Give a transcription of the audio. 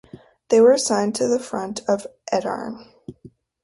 They were assigned to the front at Edirne.